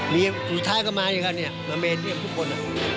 มีสุดท้ายก็มาเนี่ยครับเนี่ยมาเมรินทรีย์กับทุกคน